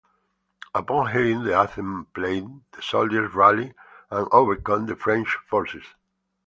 Upon hearing the anthem played, the soldiers rally and overcome the French forces.